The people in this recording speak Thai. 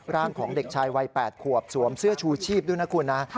ร่างของเด็กชายวัย๘ขวบสวมเสื้อชูชีพด้วยนะคุณนะ